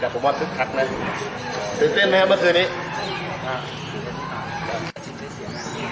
ผมว่าขึ้นขัดไหมถือเส้นไม่ให้เบอร์เทอร์นี้